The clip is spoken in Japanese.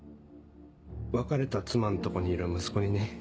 別れた妻んとこにいる息子にね。